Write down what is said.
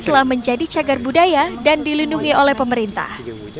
telah menjadi cagar budaya dan dilindungi oleh pemerintah